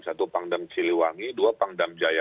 satu pangdam siliwangi dua pangdam jaya